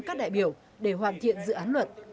các đại biểu để hoàn thiện dự án luật